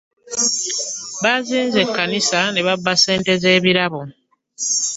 Bazinze kkanisa ne babba ssente z'ebirabo.